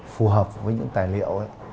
phù hợp với những tài liệu